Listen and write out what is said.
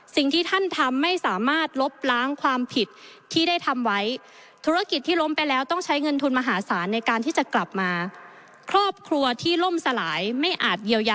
สิ่งที่ท่านทำไม่สามารถลบล้างความผิดที่ได้ทำไว้